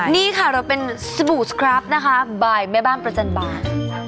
นี่ค่ะเราเป็นสบู่สครับนะคะบายแม่บ้านประจันบาล